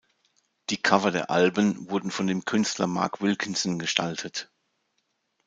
Die Cover der Alben wurden von dem Künstler Mark Wilkinson gestaltet.